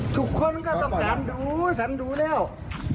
ทุกคนก็ต้องการดูว่าสนุกแล้วครับ